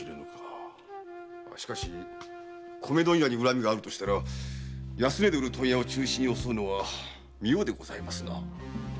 しかし米問屋に恨みがあるとしたら安値で売る問屋を中心に襲うのは妙でございますな。